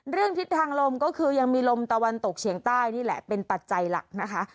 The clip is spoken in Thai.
ทิศทางลมก็คือยังมีลมตะวันตกเฉียงใต้นี่แหละเป็นปัจจัยหลักนะคะ